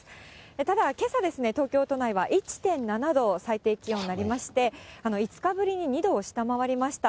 ただ、けさですね、東京都内は１．７度、最低気温になりまして、５日ぶりに２度を下回りました。